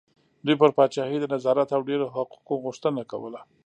دوی پر پاچاهۍ د نظارت او ډېرو حقوقو غوښتنه کوله.